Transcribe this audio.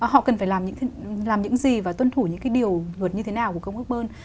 họ cần phải làm những gì và tuân thủ những cái điều luật như thế nào của công ước bơn